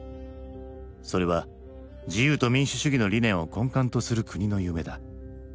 それは自由と民主主義の理念を根幹とする国の夢だ。